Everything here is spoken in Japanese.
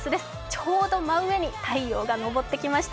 ちょうど真上に太陽が昇ってきました。